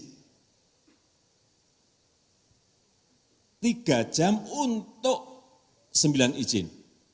tiga jam untuk sembilan izin